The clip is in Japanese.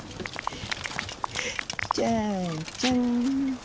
ちゃーちゃん。